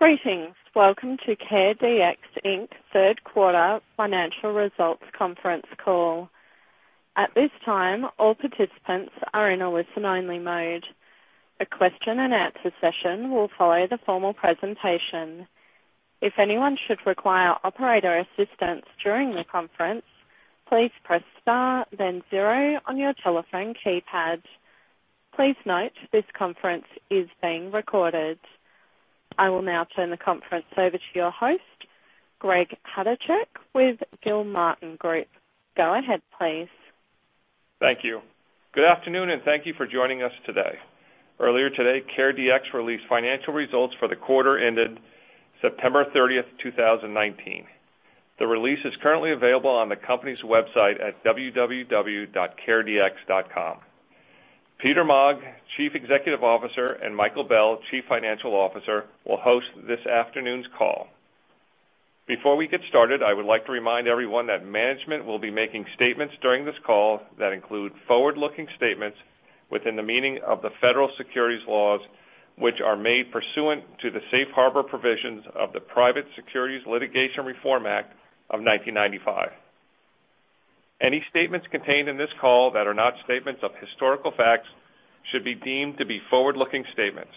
Greetings. Welcome to CareDx, Inc. third quarter financial results conference call. At this time, all participants are in a listen-only mode. A question and answer session will follow the formal presentation. If anyone should require operator assistance during the conference, please press star then zero on your telephone keypad. Please note this conference is being recorded. I will now turn the conference over to your host, Greg Chodaczek with Gilmartin Group. Go ahead, please. Thank you. Good afternoon, and thank you for joining us today. Earlier today, CareDx released financial results for the quarter ended September 30, 2019. The release is currently available on the company's website at www.caredx.com. Peter Maag, Chief Executive Officer, and Michael Bell, Chief Financial Officer, will host this afternoon's call. Before we get started, I would like to remind everyone that management will be making statements during this call that include forward-looking statements within the meaning of the federal securities laws, which are made pursuant to the safe harbor provisions of the Private Securities Litigation Reform Act of 1995. Any statements contained in this call that are not statements of historical facts should be deemed to be forward-looking statements.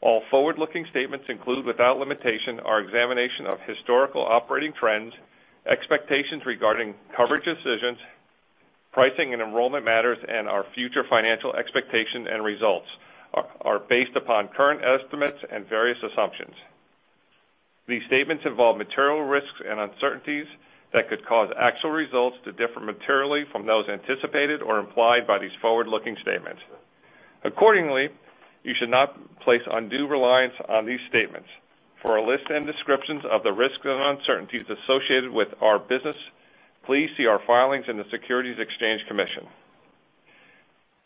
All forward-looking statements include, without limitation, our examination of historical operating trends, expectations regarding coverage decisions, pricing and enrollment matters, and our future financial expectations and results are based upon current estimates and various assumptions. These statements involve material risks and uncertainties that could cause actual results to differ materially from those anticipated or implied by these forward-looking statements. Accordingly, you should not place undue reliance on these statements. For a list and descriptions of the risks and uncertainties associated with our business, please see our filings in the Securities and Exchange Commission.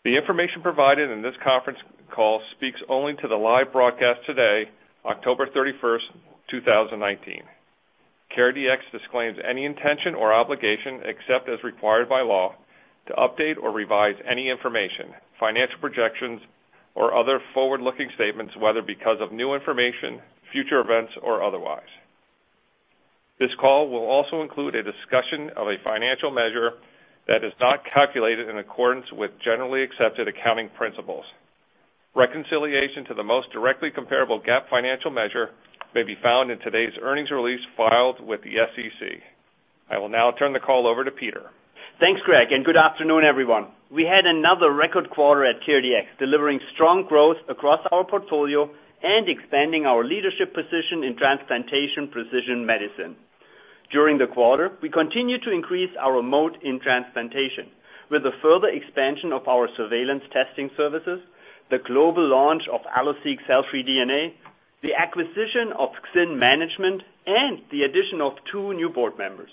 The information provided in this conference call speaks only to the live broadcast today, October 31, 2019. CareDx disclaims any intention or obligation, except as required by law, to update or revise any information, financial projections, or other forward-looking statements, whether because of new information, future events, or otherwise. This call will also include a discussion of a financial measure that is not calculated in accordance with generally accepted accounting principles. Reconciliation to the most directly comparable GAAP financial measure may be found in today's earnings release filed with the SEC. I will now turn the call over to Peter. Thanks, Greg, and good afternoon, everyone. We had another record quarter at CareDx, delivering strong growth across our portfolio and expanding our leadership position in transplantation precision medicine. During the quarter, we continued to increase our moat in transplantation with a further expansion of our surveillance testing services, the global launch of AlloSeq cell-free DNA, the acquisition of XynManagement, and the addition of two new board members.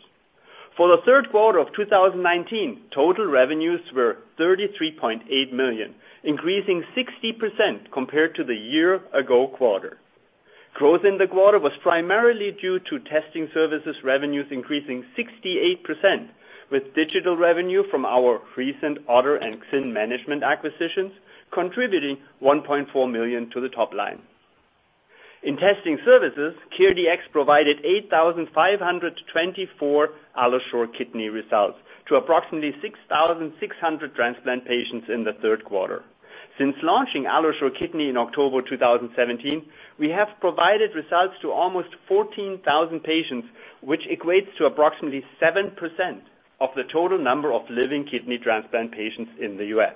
For the third quarter of 2019, total revenues were $33.8 million, increasing 60% compared to the year-ago quarter. Growth in the quarter was primarily due to testing services revenues increasing 68%, with digital revenue from our recent OTTR and XynManagement acquisitions contributing $1.4 million to the top line. In testing services, CareDx provided 8,524 AlloSure Kidney results to approximately 6,600 transplant patients in the third quarter. Since launching AlloSure Kidney in October 2017, we have provided results to almost 14,000 patients, which equates to approximately 7% of the total number of living kidney transplant patients in the U.S.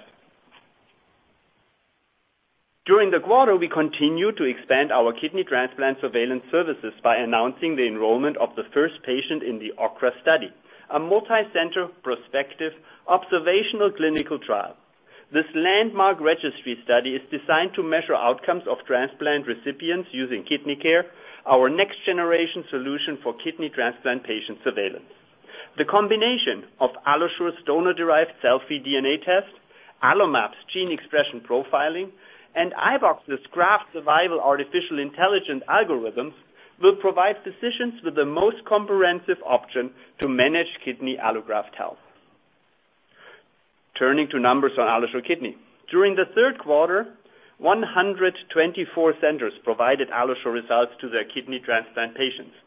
During the quarter, we continued to expand our kidney transplant surveillance services by announcing the enrollment of the first patient in the OKRA study, a multicenter prospective observational clinical trial. This landmark registry study is designed to measure outcomes of transplant recipients using KidneyCare, our next-generation solution for kidney transplant patient surveillance. The combination of AlloSure's donor-derived cell-free DNA test, AlloMap's gene expression profiling, and iBox's graft survival artificial intelligence algorithms will provide physicians with the most comprehensive option to manage kidney allograft health. Turning to numbers on AlloSure Kidney. During the third quarter, 124 centers provided AlloSure results to their kidney transplant patients.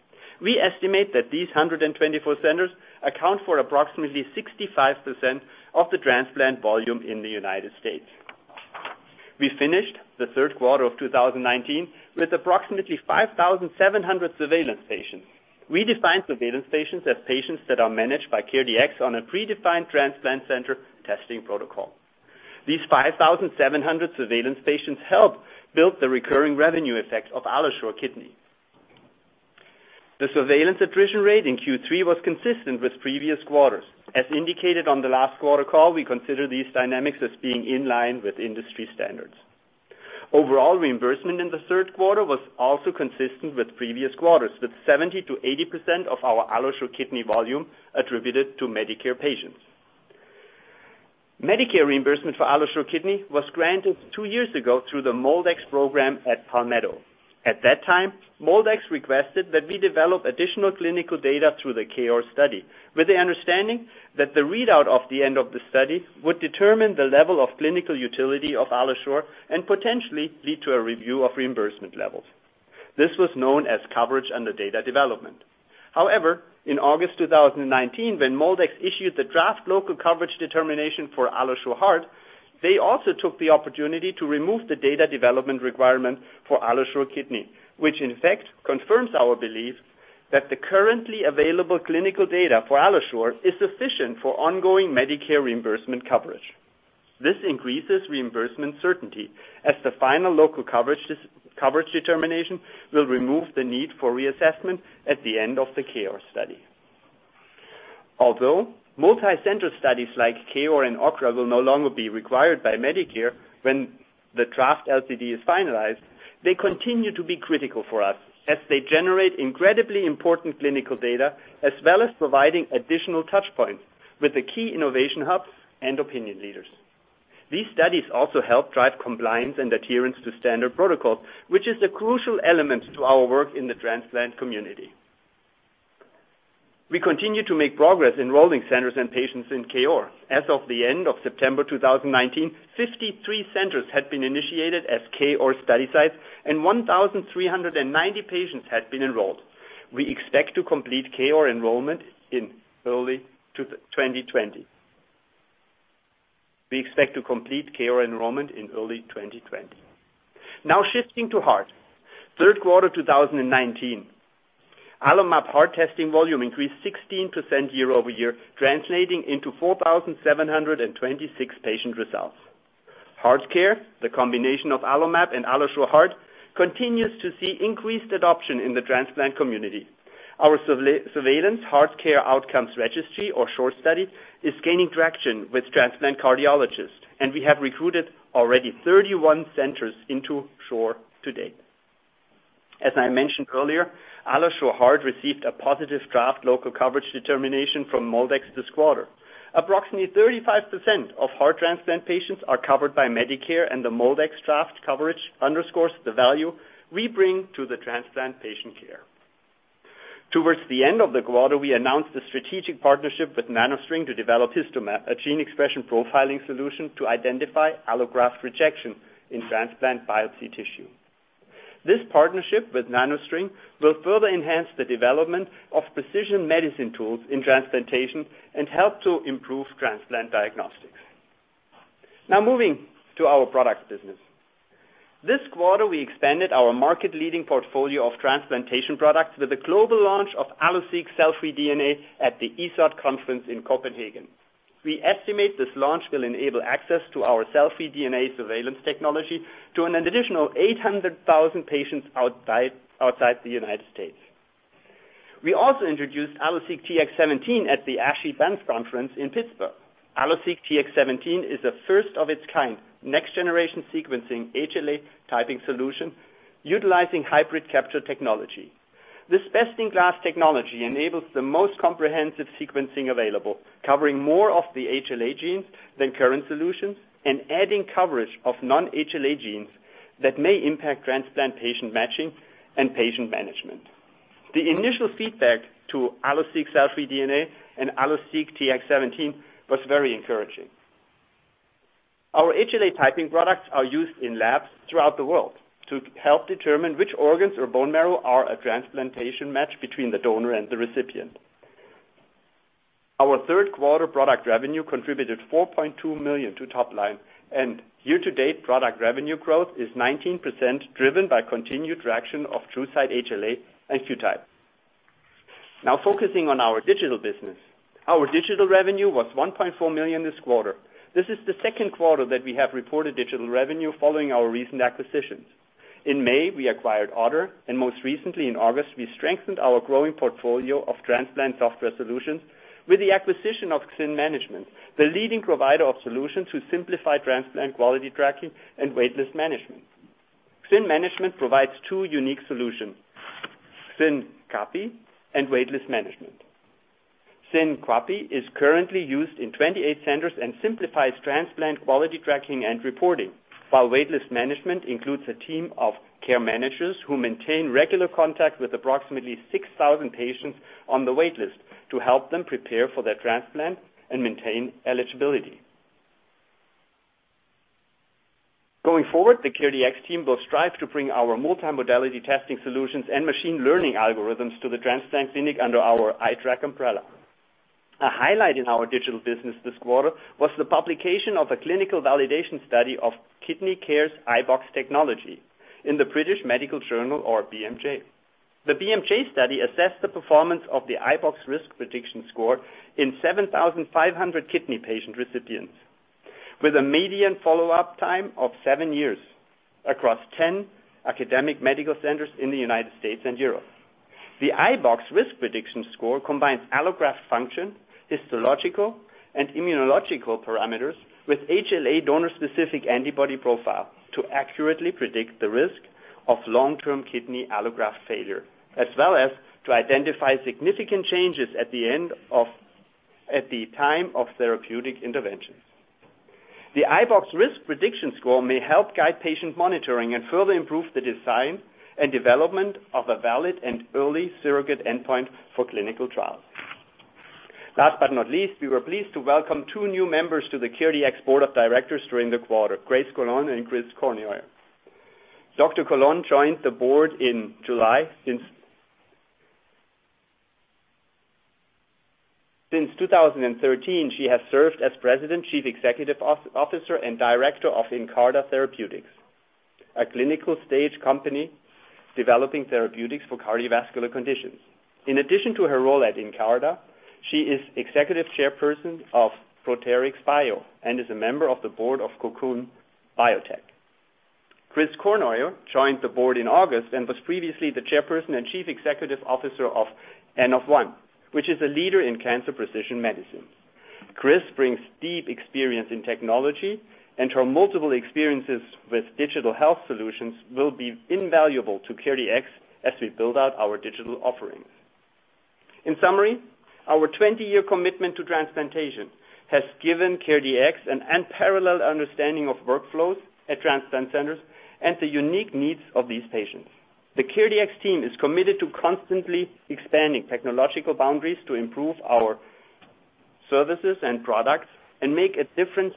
We estimate that these 124 centers account for approximately 65% of the transplant volume in the United States. We finished the third quarter of 2019 with approximately 5,700 surveillance patients. We define surveillance patients as patients that are managed by CareDx on a predefined transplant center testing protocol. These 5,700 surveillance patients help build the recurring revenue effect of AlloSure Kidney. The surveillance attrition rate in Q3 was consistent with previous quarters. As indicated on the last quarter call, we consider these dynamics as being in line with industry standards. Overall reimbursement in the third quarter was also consistent with previous quarters, with 70%-80% of our AlloSure Kidney volume attributed to Medicare patients. Medicare reimbursement for AlloSure Kidney was granted two years ago through the MolDX program at Palmetto. At that time MolDX requested that we develop additional clinical data through the KOAR study, with the understanding that the readout of the end of the study would determine the level of clinical utility of AlloSure and potentially lead to a review of reimbursement levels. This was known as coverage under data development. In August 2019, when MolDX issued the draft local coverage determination for AlloSure Heart, they also took the opportunity to remove the data development requirement for AlloSure Kidney, which in fact confirms our belief that the currently available clinical data for AlloSure is sufficient for ongoing Medicare reimbursement coverage. This increases reimbursement certainty as the final local coverage determination will remove the need for reassessment at the end of the KOAR study. Although multi-center studies like KOAR and OKRA will no longer be required by Medicare when the draft LCD is finalized, they continue to be critical for us as they generate incredibly important clinical data, as well as providing additional touch points with the key innovation hubs and opinion leaders. These studies also help drive compliance and adherence to standard protocols, which is a crucial element to our work in the transplant community. We continue to make progress enrolling centers and patients in KOAR. As of the end of September 2019, 53 centers had been initiated as KOAR study sites, and 1,390 patients had been enrolled. We expect to complete KOAR enrollment in early 2020. We expect to complete KOAR enrollment in early 2020. Now shifting to heart. Third quarter 2019. AlloMap Heart testing volume increased 16% year-over-year, translating into 4,726 patient results. HeartCare, the combination of AlloMap and AlloSure Heart, continues to see increased adoption in the transplant community. Our surveillance HeartCare outcomes registry, or SHORE study, is gaining traction with transplant cardiologists, and we have recruited already 31 centers into SHORE to date. As I mentioned earlier, AlloSure Heart received a positive draft local coverage determination from MolDX this quarter. Approximately 35% of heart transplant patients are covered by Medicare, and the MolDX draft coverage underscores the value we bring to the transplant patient care. Towards the end of the quarter, we announced a strategic partnership with NanoString to develop HistoMap, a gene expression profiling solution to identify allograft rejection in transplant biopsy tissue. This partnership with NanoString will further enhance the development of precision medicine tools in transplantation and help to improve transplant diagnostics. Now moving to our products business. This quarter, we expanded our market-leading portfolio of transplantation products with the global launch of AlloSeq Cell-Free DNA at the ESOT conference in Copenhagen. We estimate this launch will enable access to our cell-free DNA surveillance technology to an additional 800,000 patients outside the United States. We also introduced AlloSeq Tx 17 at the ASHI Advance Conference in Pittsburgh. AlloSeq Tx 17 is the first of its kind next-generation sequencing HLA typing solution utilizing hybrid capture technology. This best-in-class technology enables the most comprehensive sequencing available, covering more of the HLA genes than current solutions and adding coverage of non-HLA genes that may impact transplant patient matching and patient management. The initial feedback to AlloSeq Cell-Free DNA and AlloSeq Tx 17 was very encouraging. Our HLA typing products are used in labs throughout the world to help determine which organs or bone marrow are a transplantation match between the donor and the recipient. Our third quarter product revenue contributed $4.2 million to top line, and year-to-date product revenue growth is 19% driven by continued traction of TruSight HLA and QTYPE. Now focusing on our digital business. Our digital revenue was $1.4 million this quarter. This is the second quarter that we have reported digital revenue following our recent acquisitions. In May, we acquired OTTR, and most recently in August, we strengthened our growing portfolio of transplant software solutions with the acquisition of XynManagement, the leading provider of solutions to simplify transplant quality tracking and Waitlist Management. XynManagement provides two unique solutions, XynQAPI and Waitlist Management. XynQAPI is currently used in 28 centers and simplifies transplant quality tracking and reporting. While Waitlist Management includes a team of care managers who maintain regular contact with approximately 6,000 patients on the waitlist to help them prepare for their transplant and maintain eligibility. Going forward, the CareDx team will strive to bring our multimodality testing solutions and machine learning algorithms to the transplant clinic under our iTrack umbrella. A highlight in our digital business this quarter was the publication of a clinical validation study of KidneyCare's iBox technology in the British Medical Journal, or BMJ. The BMJ study assessed the performance of the iBox risk prediction score in 7,500 kidney patient recipients with a median follow-up time of seven years across 10 academic medical centers in the U.S. and Europe. The iBox risk prediction score combines allograft function, histological, and immunological parameters with HLA donor-specific antibody profile to accurately predict the risk of long-term kidney allograft failure, as well as to identify significant changes at the time of therapeutic interventions. The iBox risk prediction score may help guide patient monitoring and further improve the design and development of a valid and early surrogate endpoint for clinical trials. Last but not least, we were pleased to welcome two new members to the CareDx board of directors during the quarter, Grace Colón and Chris Cournoyer. Dr. Colón joined the board in July. Since 2013, she has served as president, chief executive officer, and director of InCarda Therapeutics, a clinical-stage company developing therapeutics for cardiovascular conditions. In addition to her role at InCarda, she is executive chairperson of ProterixBio and is a member of the board of Cocoon Biotech. Chris Cournoyer joined the board in August and was previously the chairperson and chief executive officer of N-of-One, which is a leader in cancer precision medicine. Chris brings deep experience in technology, and her multiple experiences with digital health solutions will be invaluable to CareDx as we build out our digital offerings. In summary, our 20-year commitment to transplantation has given CareDx an unparalleled understanding of workflows at transplant centers and the unique needs of these patients. The CareDx team is committed to constantly expanding technological boundaries to improve our services and products and make a difference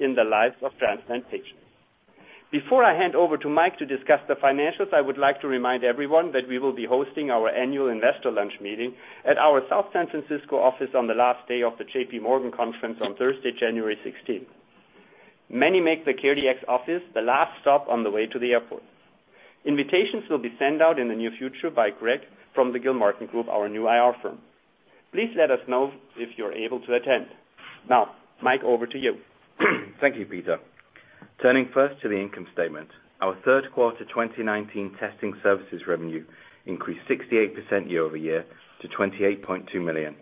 in the lives of transplant patients. Before I hand over to Michael to discuss the financials, I would like to remind everyone that we will be hosting our annual investor lunch meeting at our South San Francisco office on the last day of the J.P. Morgan conference on Thursday, January 16th. Many make the CareDx office the last stop on the way to the airport. Invitations will be sent out in the near future by Greg from the Gilmartin Group, our new IR firm. Please let us know if you're able to attend. Mike, over to you. Thank you, Peter. Turning first to the income statement. Our third quarter 2019 testing services revenue increased 68% year-over-year to $28.2 million.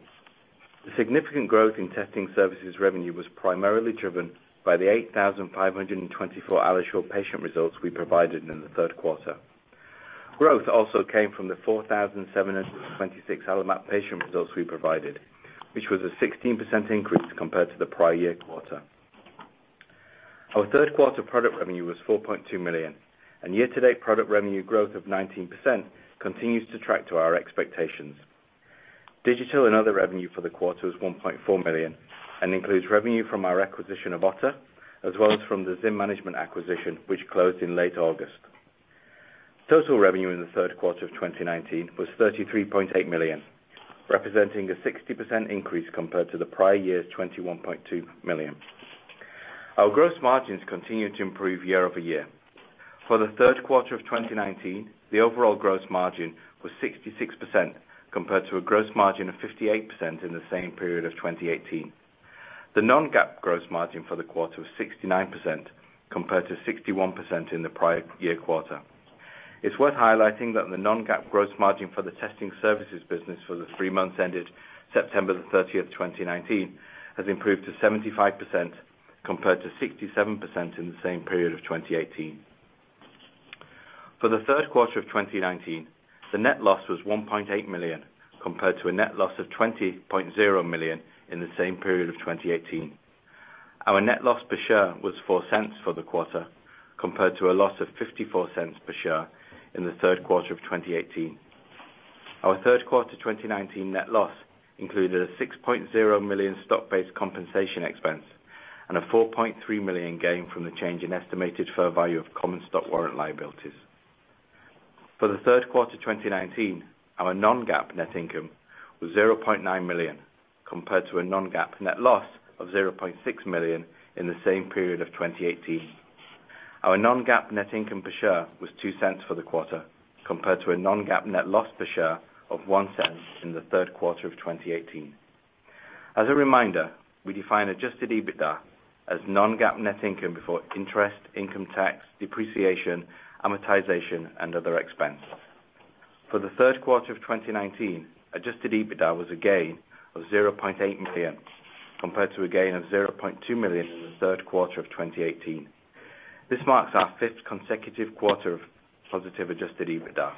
The significant growth in testing services revenue was primarily driven by the 8,524 AlloSure patient results we provided in the third quarter. Growth also came from the 4,726 AlloMap patient results we provided, which was a 16% increase compared to the prior year quarter. Our third quarter product revenue was $4.2 million. Year-to-date product revenue growth of 19% continues to track to our expectations. Digital and other revenue for the quarter was $1.4 million and includes revenue from our acquisition of OTTR, as well as from the XynManagement acquisition, which closed in late August. Total revenue in the third quarter of 2019 was $33.8 million, representing a 60% increase compared to the prior year's $21.2 million. Our gross margins continued to improve year-over-year. For the third quarter of 2019, the overall gross margin was 66%, compared to a gross margin of 58% in the same period of 2018. The non-GAAP gross margin for the quarter was 69%, compared to 61% in the prior year quarter. It's worth highlighting that the non-GAAP gross margin for the testing services business for the three months ended September 30, 2019, has improved to 75%, compared to 67% in the same period of 2018. For the third quarter of 2019, the net loss was $1.8 million, compared to a net loss of $20.0 million in the same period of 2018. Our net loss per share was $0.04 for the quarter, compared to a loss of $0.54 per share in the third quarter of 2018. Our third quarter 2019 net loss included a $6.0 million stock-based compensation expense and a $4.3 million gain from the change in estimated fair value of common stock warrant liabilities. For the third quarter 2019, our non-GAAP net income was $0.9 million, compared to a non-GAAP net loss of $0.6 million in the same period of 2018. Our non-GAAP net income per share was $0.02 for the quarter, compared to a non-GAAP net loss per share of $0.01 in the third quarter of 2018. As a reminder, we define adjusted EBITDA as non-GAAP net income before interest, income tax, depreciation, amortization, and other expenses. For the third quarter of 2019, adjusted EBITDA was a gain of $0.8 million, compared to a gain of $0.2 million in the third quarter of 2018. This marks our fifth consecutive quarter of positive adjusted EBITDA.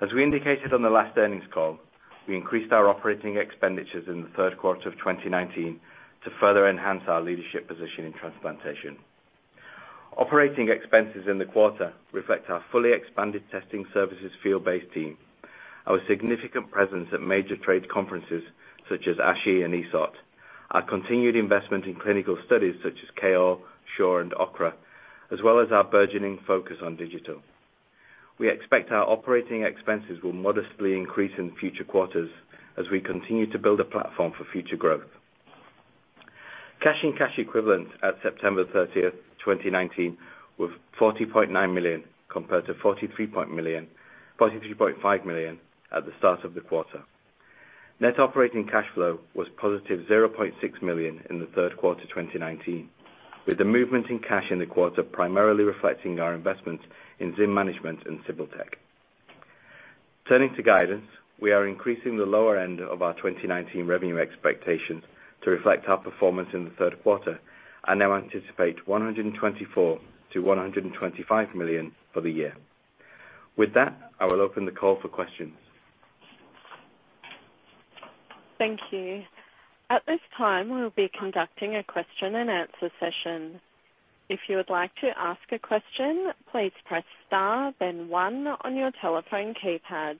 As we indicated on the last earnings call, we increased our operating expenditures in the third quarter of 2019 to further enhance our leadership position in transplantation. Operating expenses in the quarter reflect our fully expanded testing services field-based team, our significant presence at major trade conferences such as ASHI and ESOT, our continued investment in clinical studies such as SHORE, SURE, and OKRA, as well as our burgeoning focus on digital. We expect our operating expenses will modestly increase in future quarters as we continue to build a platform for future growth. Cash and cash equivalents at September 30th, 2019, were $40.9 million, compared to $43.5 million at the start of the quarter. Net operating cash flow was positive $0.6 million in the third quarter 2019, with the movement in cash in the quarter primarily reflecting our investments in XynManagement and Sybil Tech. Turning to guidance, we are increasing the lower end of our 2019 revenue expectations to reflect our performance in the third quarter and now anticipate $124 million-$125 million for the year. With that, I will open the call for questions. Thank you. At this time, we'll be conducting a question and answer session. If you would like to ask a question, please press star then one on your telephone keypad.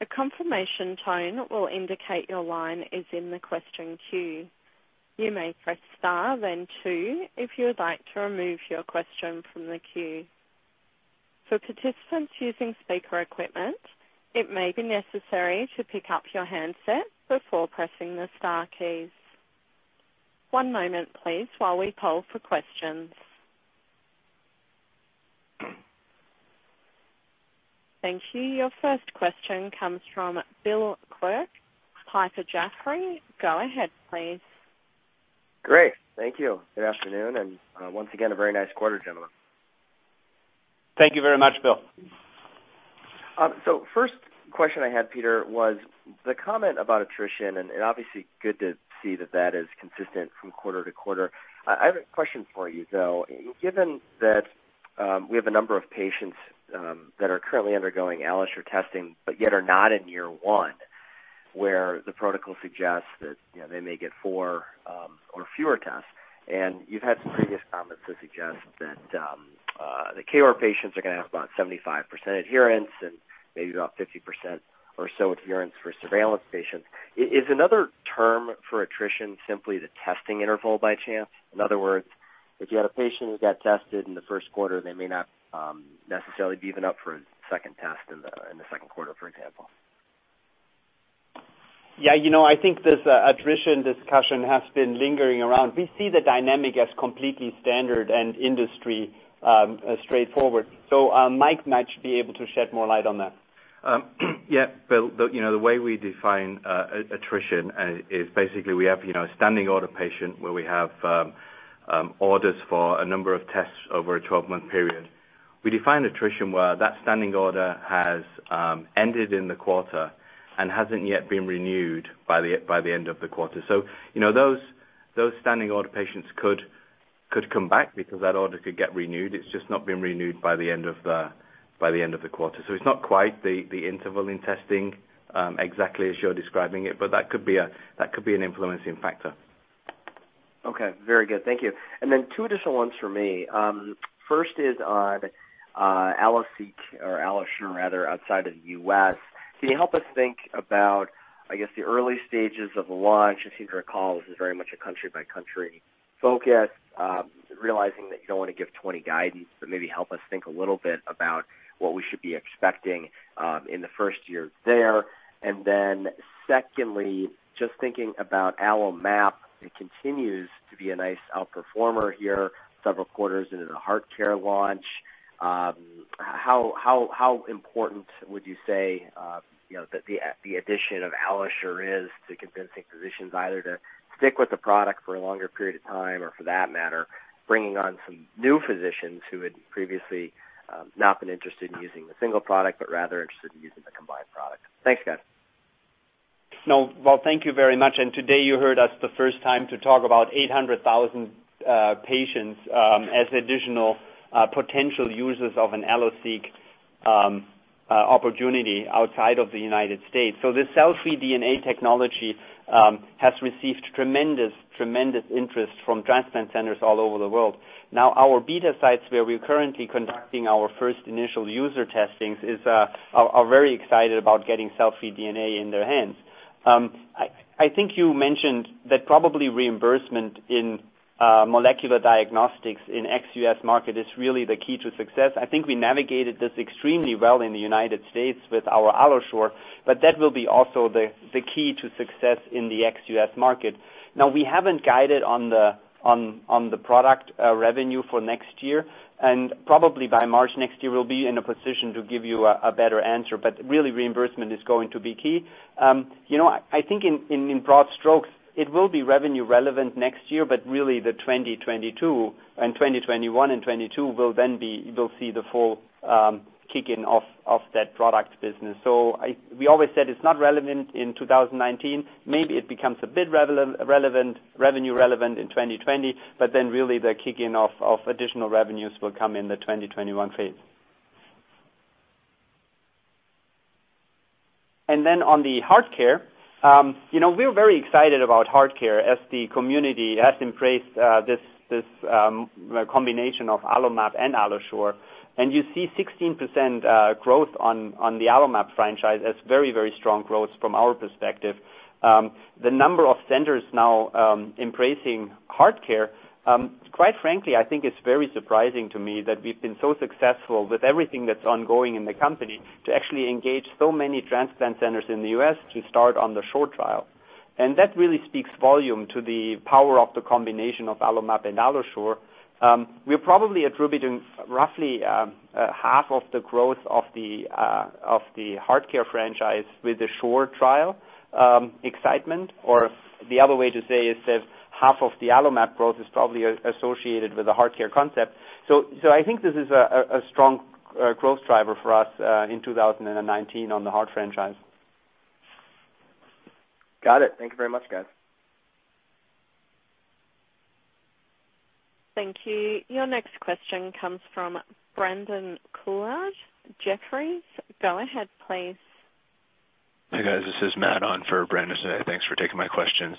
A confirmation tone will indicate your line is in the question queue. You may press star then two if you would like to remove your question from the queue. For participants using speaker equipment, it may be necessary to pick up your handset before pressing the star keys. One moment please, while we poll for questions. Thank you. Your first question comes from Bill Quirk, Piper Jaffray. Go ahead, please. Great. Thank you. Good afternoon, and, once again, a very nice quarter, gentlemen. Thank you very much, Bill. First question I had, Peter, was the comment about attrition, and obviously, good to see that that is consistent from quarter to quarter. I have a question for you, though. Given that we have a number of patients that are currently undergoing AlloSure testing but yet are not in year 1, where the protocol suggests that they may get four or fewer tests. And you've had some previous comments to suggest that the KR patients are going to have about 75% adherence and maybe about 50% or so adherence for surveillance patients. Is another term for attrition simply the testing interval by chance? In other words, if you had a patient who got tested in the first quarter, they may not necessarily be even up for a second test in the second quarter, for example. Yeah, I think this attrition discussion has been lingering around. We see the dynamic as completely standard and industry straightforward. Mike might be able to shed more light on that. Yeah. Bill, the way we define attrition is basically we have a standing order patient where we have orders for a number of tests over a 12-month period. We define attrition where that standing order has ended in the quarter and hasn't yet been renewed by the end of the quarter. Those standing order patients could come back because that order could get renewed. It's just not been renewed by the end of the quarter. It's not quite the interval in testing exactly as you're describing it, but that could be an influencing factor. Okay, very good. Thank you. Two additional ones for me. First is on AlloSeq or AlloSure rather, outside of the U.S. Can you help us think about, I guess, the early stages of launch? As you recall, this is very much a country-by-country focus, realizing that you don't want to give 20 guidance, but maybe help us think a little bit about what we should be expecting in the first year there. Secondly, just thinking about AlloMap, it continues to be a nice outperformer here several quarters into the HeartCare launch. How important would you say that the addition of AlloSure is to convincing physicians either to stick with the product for a longer period of time or for that matter, bringing on some new physicians who had previously not been interested in using the single product, but rather interested in using the combined product? Thanks, guys. No. Well, thank you very much. Today you heard us the first time to talk about 800,000 patients as additional potential users of an AlloSeq opportunity outside of the U.S. This cell-free DNA technology has received tremendous interest from transplant centers all over the world. Our beta sites, where we're currently conducting our first initial user testings, are very excited about getting cell-free DNA in their hands. I think you mentioned that probably reimbursement in molecular diagnostics in ex-U.S. market is really the key to success. I think we navigated this extremely well in the U.S. with our AlloSure, but that will be also the key to success in the ex-U.S. market. We haven't guided on the product revenue for next year, and probably by March next year, we'll be in a position to give you a better answer. Really reimbursement is going to be key. I think in broad strokes, it will be revenue relevant next year, really in 2021 and 2022 we'll see the full kick in of that product business. We always said it's not relevant in 2019. Maybe it becomes a bit revenue relevant in 2020, really the kick in of additional revenues will come in the 2021 phase. On the HeartCare, we're very excited about HeartCare as the community has embraced this combination of AlloMap and AlloSure. You see 16% growth on the AlloMap franchise as very strong growth from our perspective. The number of centers now embracing HeartCare, quite frankly, I think it's very surprising to me that we've been so successful with everything that's ongoing in the company to actually engage so many transplant centers in the U.S. to start on the SHORE trial. That really speaks volume to the power of the combination of AlloMap and AlloSure. We're probably attributing roughly half of the growth of the HeartCare franchise with the SHORE trial excitement. The other way to say is that half of the AlloMap growth is probably associated with the HeartCare concept. I think this is a strong growth driver for us in 2019 on the heart franchise. Got it. Thank you very much, guys. Thank you. Your next question comes from Brandon Couillard, Jefferies. Go ahead, please. Hi, guys. This is Matt on for Brandon today. Thanks for taking my questions.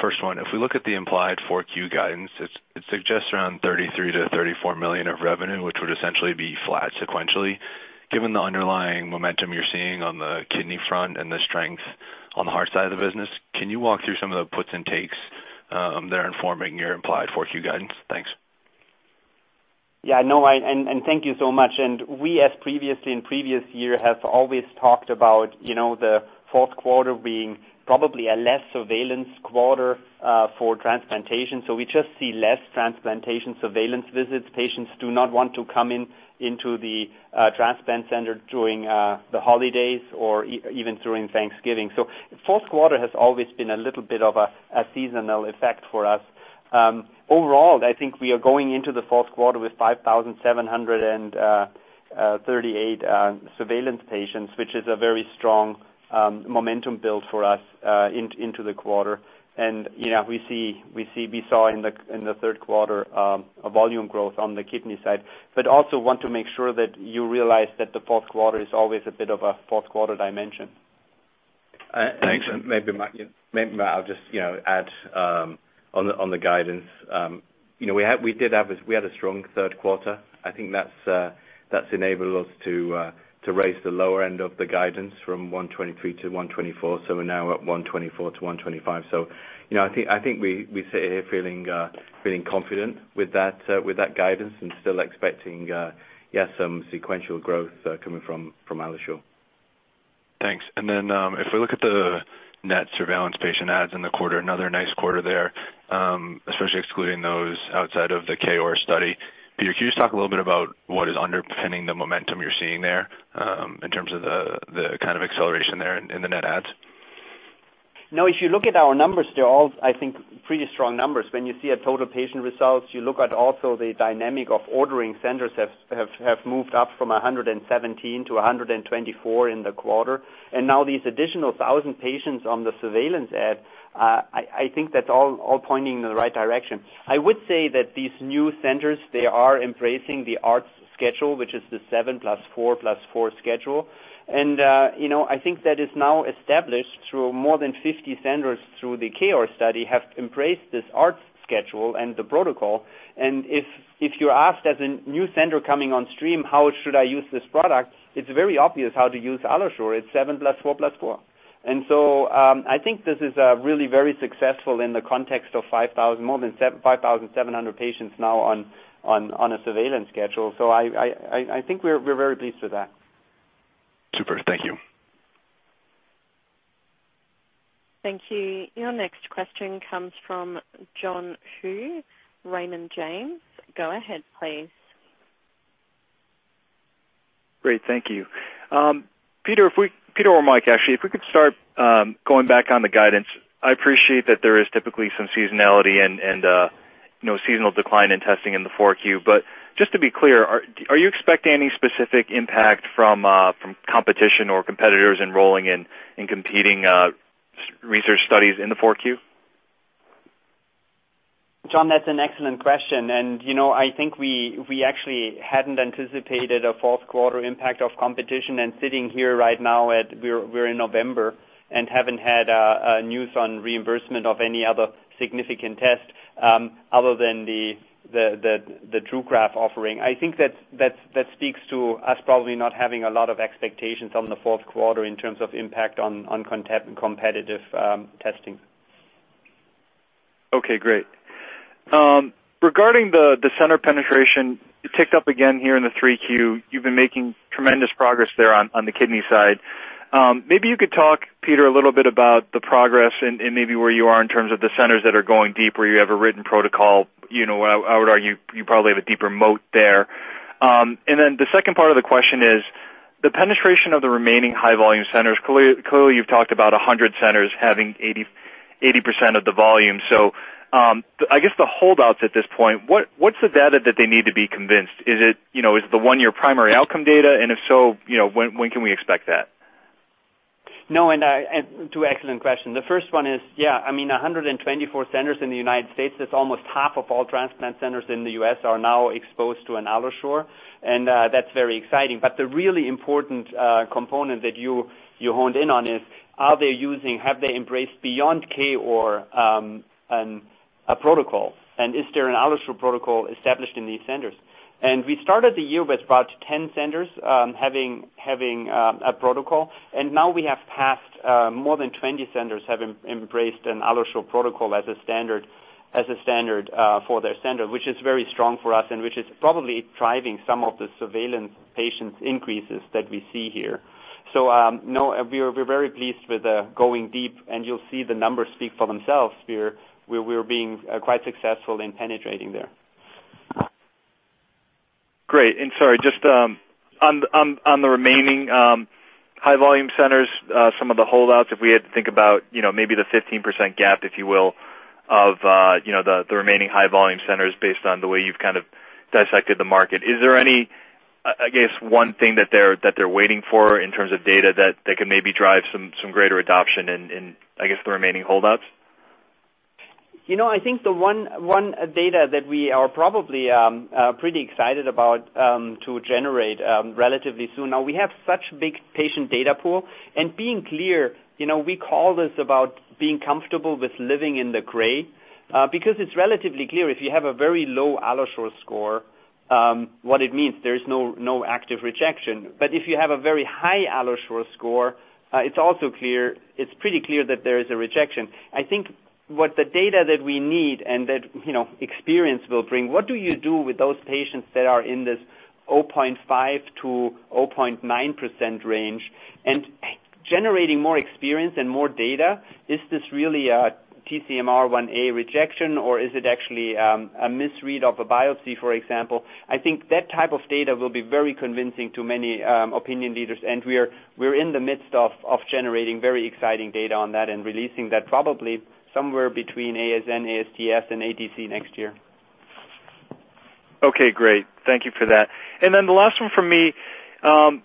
First one, if we look at the implied Q4 guidance, it suggests around $33 million-$34 million of revenue, which would essentially be flat sequentially. Given the underlying momentum you're seeing on the kidney front and the strength on the heart side of the business, can you walk through some of the puts and takes that are informing your implied Q4 guidance? Thanks. Yeah. No. Thank you so much. We, as previously in previous year, have always talked about the fourth quarter being probably a less surveillance quarter for transplantation. We just see less transplantation surveillance visits. Patients do not want to come into the transplant center during the holidays or even during Thanksgiving. Fourth quarter has always been a little bit of a seasonal effect for us. Overall, I think we are going into the fourth quarter with 5,738 surveillance patients, which is a very strong momentum build for us into the quarter. We saw in the third quarter a volume growth on the kidney side, but also want to make sure that you realize that the fourth quarter is always a bit of a fourth quarter dimension. Thanks. Maybe, Matt, I'll just add on the guidance. We had a strong third quarter. I think that's enabled us to raise the lower end of the guidance from $123-$124, so we're now at $124-$125. I think we sit here feeling confident with that guidance and still expecting some sequential growth coming from AlloSure. Thanks. If we look at the net surveillance patient adds in the quarter, another nice quarter there, especially excluding those outside of the KOAR study. Peter, can you just talk a little bit about what is underpinning the momentum you're seeing there, in terms of the kind of acceleration there in the net adds? No, if you look at our numbers, they're all, I think, pretty strong numbers. When you see a total patient results, you look at also the dynamic of ordering centers have moved up from 117 to 124 in the quarter. Now these additional 1,000 patients on the surveillance add, I think that's all pointing in the right direction. I would say that these new centers, they are embracing the ART schedule, which is the seven plus four plus four schedule. I think that is now established through more than 50 centers through the KOAR study have embraced this ART schedule and the protocol. If you're asked as a new center coming on stream, how should I use this product, it's very obvious how to use AlloSure. It's seven plus four plus four. I think this is really very successful in the context of more than 5,700 patients now on a surveillance schedule. I think we're very pleased with that. Super. Thank you. Thank you. Your next question comes from John Hsu, Raymond James. Go ahead, please. Great. Thank you. Peter or Mike, actually, if we could start going back on the guidance. I appreciate that there is typically some seasonality and seasonal decline in testing in the 4Q. Just to be clear, are you expecting any specific impact from competition or competitors enrolling in competing research studies in the 4Q? John, that's an excellent question. I think we actually hadn't anticipated a fourth quarter impact of competition. Sitting here right now, we're in November and haven't had news on reimbursement of any other significant test other than the Trugraf offering. I think that speaks to us probably not having a lot of expectations on the fourth quarter in terms of impact on competitive testing. Okay, great. Regarding the center penetration, it ticked up again here in the 3Q. You've been making tremendous progress there on the kidney side. Maybe you could talk, Peter, a little bit about the progress and maybe where you are in terms of the centers that are going deep, where you have a written protocol. I would argue you probably have a deeper moat there. The second part of the question is the penetration of the remaining high volume centers. Clearly, you've talked about 100 centers having 80% of the volume. I guess the holdouts at this point, what's the data that they need to be convinced? Is it the one-year primary outcome data? If so, when can we expect that? No, two excellent questions. The first one is, yeah, 124 centers in the United States, that's almost half of all transplant centers in the U.S. are now exposed to an AlloSure. That's very exciting. The really important component that you honed in on is, are they using, have they embraced beyond KOAR a protocol? Is there an AlloSure protocol established in these centers? We started the year with about 10 centers having a protocol. Now we have passed more than 20 centers have embraced an AlloSure protocol as a standard for their center, which is very strong for us, which is probably driving some of the surveillance patients increases that we see here. No, we're very pleased with going deep. You'll see the numbers speak for themselves. We're being quite successful in penetrating there. Great. Sorry, just on the remaining high volume centers, some of the holdouts, if we had to think about maybe the 15% gap, if you will, of the remaining high volume centers based on the way you've kind of dissected the market, is there any one thing that they're waiting for in terms of data that they could maybe drive some greater adoption in, I guess, the remaining holdouts? I think the one data that we are probably pretty excited about to generate relatively soon. Now, we have such big patient data pool and being clear, we call this about being comfortable with living in the gray because it's relatively clear if you have a very low AlloSure score, what it means, there is no active rejection. If you have a very high AlloSure score, it's pretty clear that there is a rejection. I think what the data that we need and that experience will bring, what do you do with those patients that are in this 0.5% to 0.9% range and generating more experience and more data? Is this really a TCMR1A rejection or is it actually a misread of a biopsy, for example? I think that type of data will be very convincing to many opinion leaders and we're in the midst of generating very exciting data on that and releasing that probably somewhere between ASN, ASTS, and ATC next year. Okay, great. Thank you for that. The last one from me.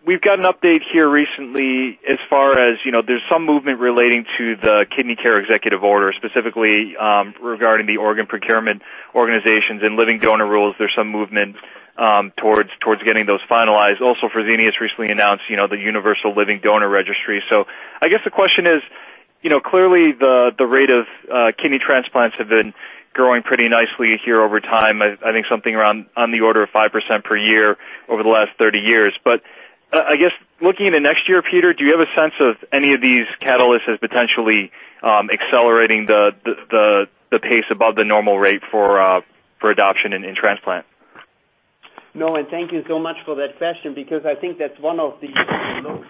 We've got an update here recently as far as there's some movement relating to the Kidney Care Executive Order, specifically regarding the organ procurement organizations and living donor rules. There's some movement towards getting those finalized. Fresenius recently announced the National Donate Life Living Donor Registry. I guess the question is, clearly the rate of kidney transplants have been growing pretty nicely here over time, I think something around on the order of 5% per year over the last 30 years. I guess looking into next year, Peter, do you have a sense of any of these catalysts as potentially accelerating the pace above the normal rate for adoption in transplant? No, thank you so much for that question because I think that's one of the looks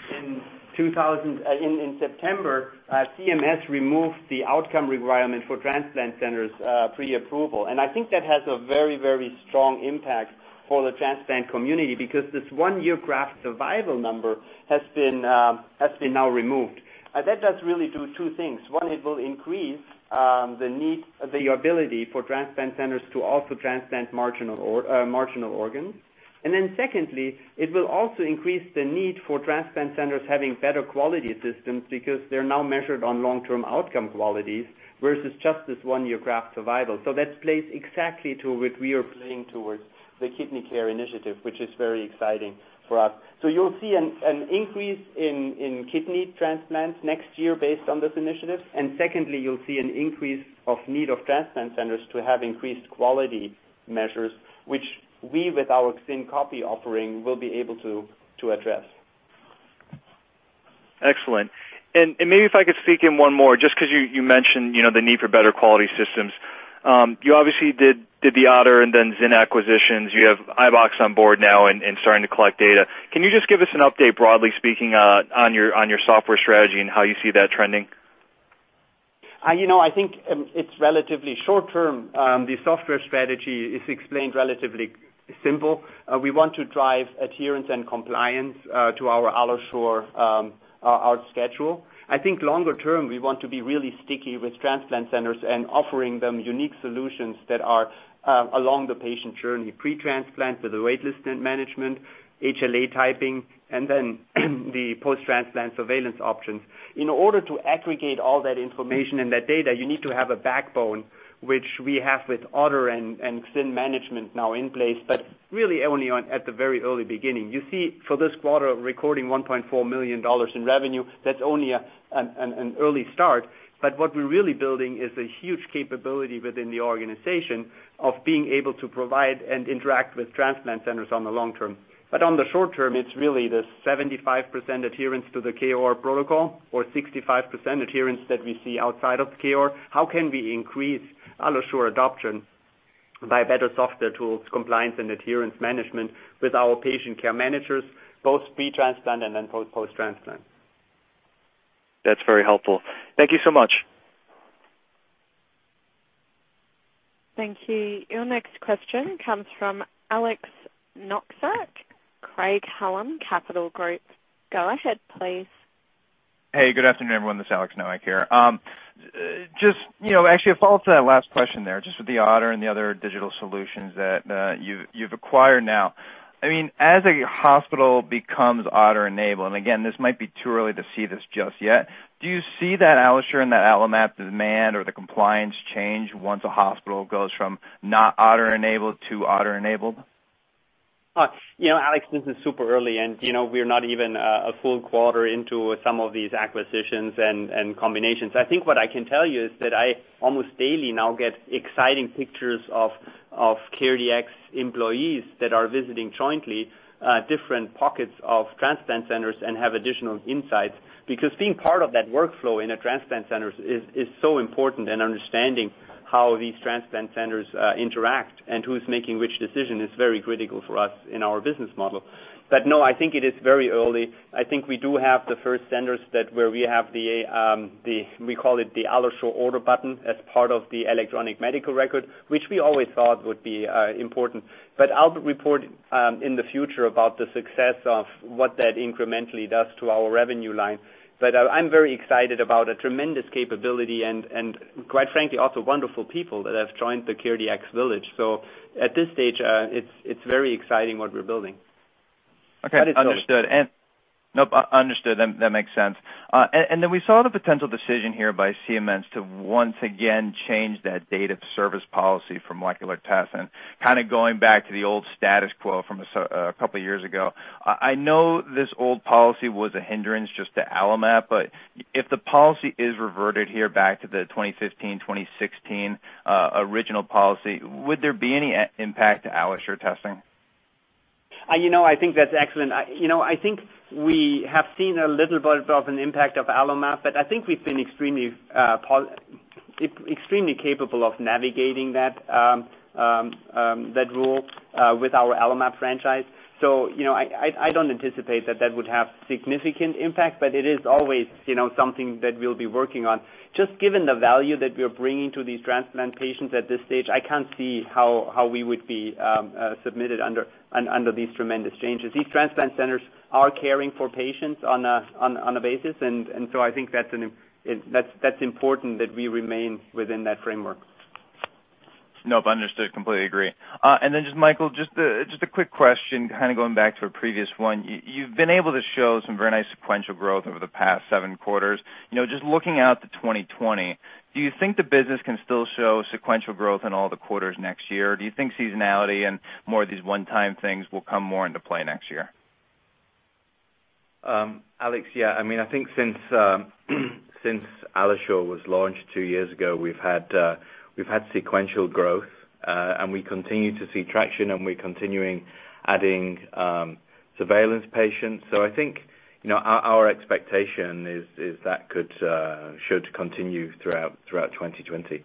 in September, CMS removed the outcome requirement for transplant centers pre-approval. I think that has a very, very strong impact for the transplant community because this one-year graft survival number has been now removed. That does really do two things. One, it will increase the ability for transplant centers to also transplant marginal organs. Secondly, it will also increase the need for transplant centers having better quality systems because they're now measured on long-term outcome qualities versus just this one-year graft survival. That plays exactly to what we are playing towards the Kidney Care Initiative, which is very exciting for us. You'll see an increase in kidney transplants next year based on this initiative. Secondly, you'll see an increase of need of transplant centers to have increased quality measures, which we, with our XynQAPI offering, will be able to address. Excellent. Maybe if I could sneak in one more, just because you mentioned the need for better quality systems. You obviously did the OTTR and then Xyn acquisitions. You have iBox on board now and starting to collect data. Can you just give us an update, broadly speaking, on your software strategy and how you see that trending? I think it's relatively short-term. The software strategy is explained relatively simple. We want to drive adherence and compliance to our AlloSure, our schedule. I think longer term, we want to be really sticky with transplant centers and offering them unique solutions that are along the patient journey, pre-transplant to the Waitlist Management, HLA typing, and then the post-transplant surveillance options. In order to aggregate all that information and that data, you need to have a backbone which we have with OTTR and XynManagement now in place, but really only at the very early beginning. You see, for this quarter, recording $1.4 million in revenue, that's only an early start. What we're really building is a huge capability within the organization of being able to provide and interact with transplant centers on the long term. On the short term, it's really the 75% adherence to the KOAR protocol or 65% adherence that we see outside of KOAR. How can we increase AlloSure adoption by better software tools, compliance, and adherence management with our patient care managers, both pre-transplant and then post-transplant. That's very helpful. Thank you so much. Thank you. Your next question comes from Alex Nowak, Craig-Hallum Capital Group. Go ahead, please. Hey, good afternoon, everyone. This is Alex Nowak here. Actually a follow-up to that last question there, just with the OTTR and the other digital solutions that you've acquired now. As a hospital becomes OTTR enabled, and again, this might be too early to see this just yet, do you see that AlloSure and that AlloMap demand or the compliance change once a hospital goes from not OTTR enabled to OTTR enabled? Alex, this is super early. We're not even a full quarter into some of these acquisitions and combinations. I think what I can tell you is that I almost daily now get exciting pictures of CareDx employees that are visiting jointly different pockets of transplant centers and have additional insights. Being part of that workflow in a transplant center is so important and understanding how these transplant centers interact and who's making which decision is very critical for us in our business model. No, I think it is very early. I think we do have the first centers that where we have the, we call it the AlloSure order button as part of the electronic medical record, which we always thought would be important. I'll report in the future about the success of what that incrementally does to our revenue line. I'm very excited about a tremendous capability and quite frankly, also wonderful people that have joined the CareDx village. At this stage, it's very exciting what we're building. Okay, understood. That makes sense. We saw the potential decision here by CMS to once again change that date of service policy for molecular tests and kind of going back to the old status quo from a couple of years ago. I know this old policy was a hindrance just to AlloMap, but if the policy is reverted here back to the 2015/2016 original policy, would there be any impact to AlloSure testing? I think that's excellent. I think we have seen a little bit of an impact of AlloMap. I think we've been extremely capable of navigating that rule with our AlloMap franchise. I don't anticipate that that would have significant impact. It is always something that we'll be working on. Just given the value that we are bringing to these transplant patients at this stage, I can't see how we would be submitted under these tremendous changes. These transplant centers are caring for patients on a basis. I think that's important that we remain within that framework. Nope, understood. Completely agree. Then just, Michael, just a quick question, kind of going back to a previous one. You've been able to show some very nice sequential growth over the past seven quarters. Just looking out to 2020, do you think the business can still show sequential growth in all the quarters next year? Do you think seasonality and more of these one-time things will come more into play next year? Alex, yeah. I think since AlloSure was launched two years ago, we've had sequential growth, and we continue to see traction, and we're continuing adding surveillance patients. I think our expectation is that should continue throughout 2020.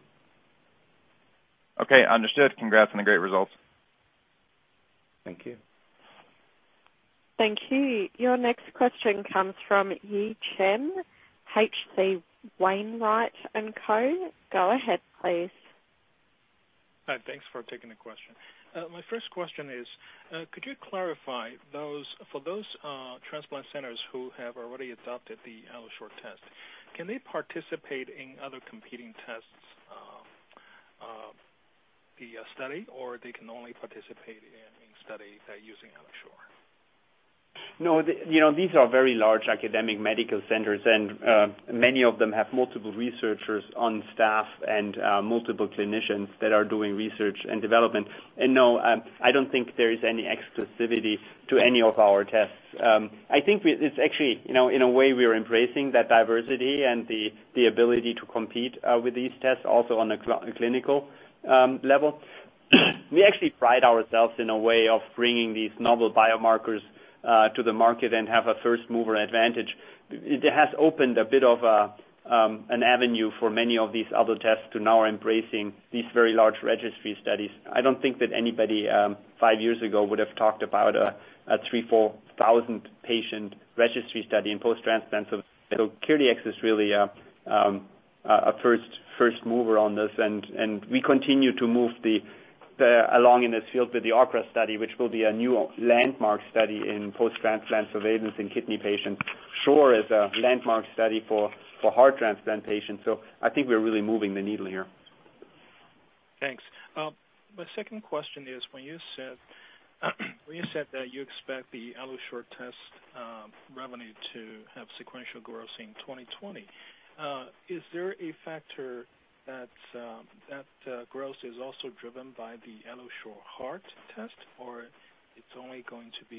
Okay, understood. Congrats on the great results. Thank you. Thank you. Your next question comes from Yi Chen, H.C. Wainwright & Co. Go ahead, please. Hi, thanks for taking the question. My first question is, could you clarify, for those transplant centers who have already adopted the AlloSure test, can they participate in other competing tests via study, or they can only participate in study using AlloSure? No. These are very large academic medical centers, and many of them have multiple researchers on staff and multiple clinicians that are doing research and development. No, I don't think there is any exclusivity to any of our tests. I think it's actually, in a way, we are embracing that diversity and the ability to compete with these tests also on a clinical level. We actually pride ourselves in a way of bringing these novel biomarkers to the market and have a first-mover advantage. It has opened a bit of an avenue for many of these other tests to now are embracing these very large registry studies. I don't think that anybody, five years ago, would have talked about a 3,000, 4,000-patient registry study in post-transplant. CareDx is really a first mover on this, and we continue to move along in this field with the Opera study, which will be a new landmark study in post-transplant surveillance in kidney patients. AlloSure Heart is a landmark study for heart transplantation. I think we're really moving the needle here. Thanks. My second question is, when you said that you expect the AlloSure test revenue to have sequential growth in 2020, is there a factor that growth is also driven by the AlloSure Heart test, or it's only going to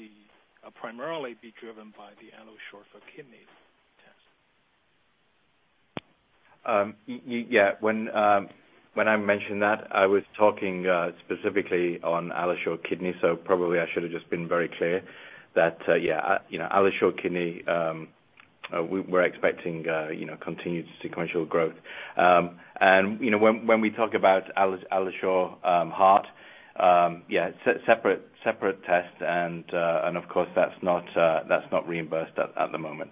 primarily be driven by the AlloSure Kidney test? Yeah. When I mentioned that, I was talking specifically on AlloSure Kidney, so probably I should have just been very clear that AlloSure Kidney, we're expecting continued sequential growth. When we talk about AlloSure Heart, yeah, it's separate tests and, of course, that's not reimbursed at the moment.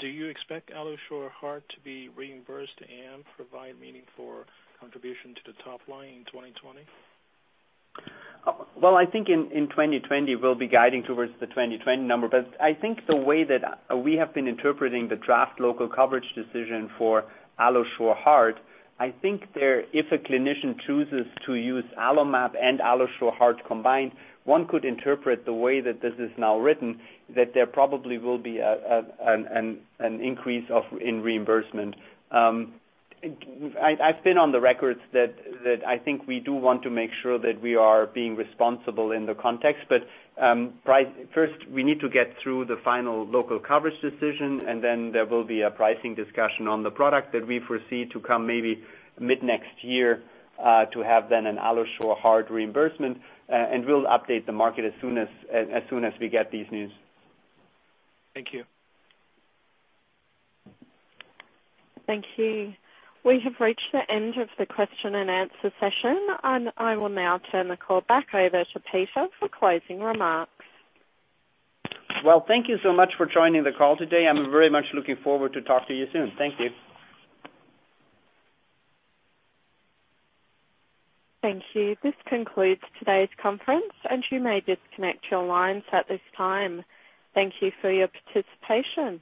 Do you expect AlloSure Heart to be reimbursed and provide meaningful contribution to the top line in 2020? Well, I think in 2020, we'll be guiding towards the 2020 number. I think the way that we have been interpreting the draft local coverage decision for AlloSure Heart, I think if a clinician chooses to use AlloMap and AlloSure Heart combined, one could interpret the way that this is now written, that there probably will be an increase in reimbursement. I've been on the records that I think we do want to make sure that we are being responsible in the context, but first we need to get through the final local coverage decision, and then there will be a pricing discussion on the product that we foresee to come maybe mid-next year, to have then an AlloSure Heart reimbursement. We'll update the market as soon as we get this news. Thank you. Thank you. We have reached the end of the question and answer session. I will now turn the call back over to Peter for closing remarks. Well, thank you so much for joining the call today. I'm very much looking forward to talk to you soon. Thank you. Thank you. This concludes today's conference, and you may disconnect your lines at this time. Thank you for your participation.